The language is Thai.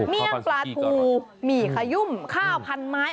เลี่ยงปลาทูหมี่ขยุ่มข้าวพันไม้